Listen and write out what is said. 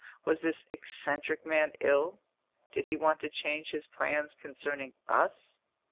Was this eccentric man ill? Did he want to change his plans concerning us?